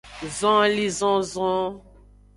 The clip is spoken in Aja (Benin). Zonlinzonzon.